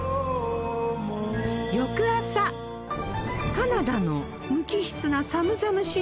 カナダの無機質な寒々しい